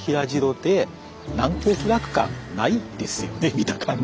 見た感じ。